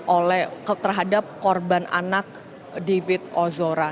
oleh terhadap korban anak david ozora